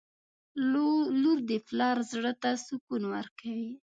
• لور د پلار زړه ته سکون ورکوي.